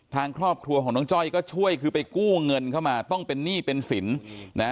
ทางครอบครัวของน้องจ้อยก็ช่วยคือไปกู้เงินเข้ามาต้องเป็นหนี้เป็นสินนะ